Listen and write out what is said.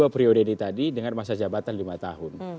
dua periode ini tadi dengan masa jabatan lima tahun